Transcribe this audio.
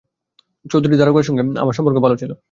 চৌধুরী দারোগার সঙ্গে একসময় আমার সম্পর্ক ভালো ছিল।